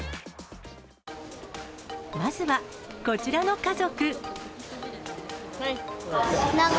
まずはこちらの家族。